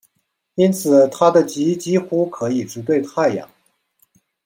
因此它的极几乎可以直对太阳。